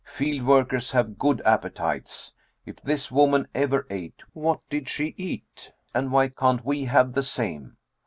Field workers have good appetites. If this woman ever ate, what did she eat and why can't we have the same?